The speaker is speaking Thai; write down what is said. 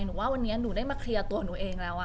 ว่าวันนี้หนูได้มาเคลียร์ตัวหนูเองแล้ว